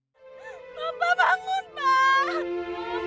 bapak bangun mak